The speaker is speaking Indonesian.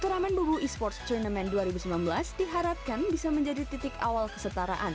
turnamen pubg esports turnamen dua ribu sembilan belas diharapkan bisa menjadi titik awal kesetaraan